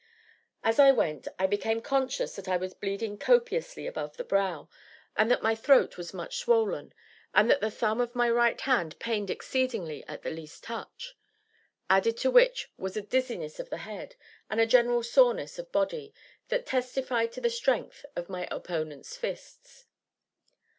As I went, I became conscious that I was bleeding copiously above the brow, that my throat was much swollen, and that the thumb of my right hand pained exceedingly at the least touch; added to which was a dizziness of the head, and a general soreness of body, that testified to the strength of my opponent's fists.